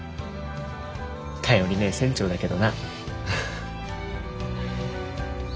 頼りねえ船長だけどな。